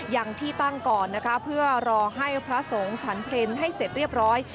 อย่างที่ตั้งก่อนนะคะเพื่อรอให้พระสงฆ์ฉันเพลนให้เสร็จเรียบร้อย